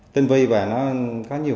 tinh vi và nó có nhiều